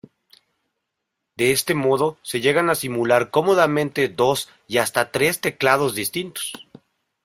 De este modo se llegan a simular cómodamente dos y hasta tres teclados distintos.